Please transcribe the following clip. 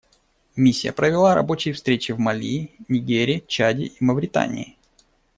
Миссия провела рабочие встречи в Мали, Нигере, Чаде и Мавритании.